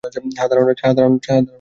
হ্যাঁঁ, ধারনা আছে।